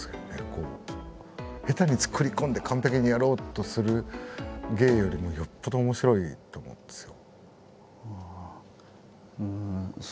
下手に作り込んで完璧にやろうとする芸よりもよっぽど面白いと思うんですよ。